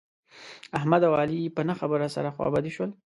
احمد او علي په نه خبره سره خوابدي شول.